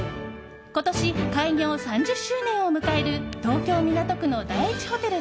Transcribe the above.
今年、開業３０周年を迎える東京・港区の第一ホテル